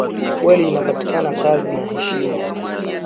Kweli inapatianaka kazi na heshima